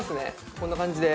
こんな感じで。